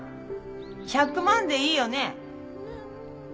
１００万でいいよね？